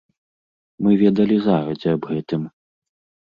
Мы ведалі загадзя аб гэтым.